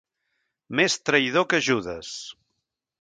Més traïdor que Judes.